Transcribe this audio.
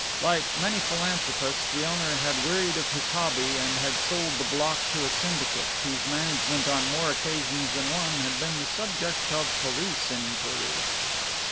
Like many philanthropists, the owner had wearied of his hobby and had sold the block to a syndicate, whose management on more occasions than one had been the subject of police inquiry.